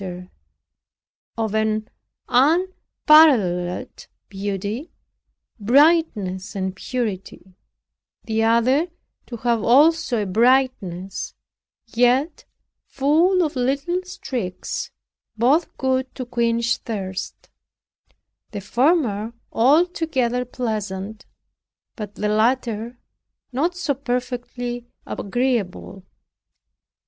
The one appeared to me of an unparalleled beauty, brightness and purity; the other to have also a brightness, yet full of little streaks; both good to quench thirst; the former altogether pleasant, but the latter not so perfectly agreeable.